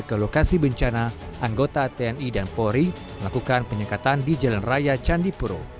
ke lokasi bencana anggota tni dan polri melakukan penyekatan di jalan raya candipuro